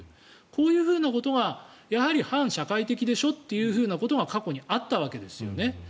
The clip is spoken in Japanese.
こういうことがやはり反社会的でしょということが過去にあったわけですよね。